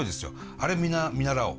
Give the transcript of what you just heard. あれ見習おう。